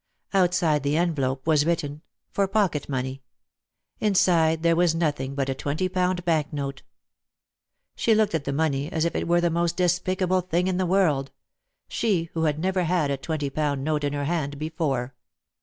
Outside the envelope was written, "For pocket money." Inside there was nothing but a twenty pound bank note. She looked at the money as if it were the most despicable thing in the world — she who had never had a twenty pound note in her hand before.